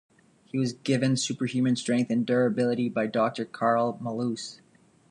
He was given superhuman strength and durability by Doctor Karl Malus.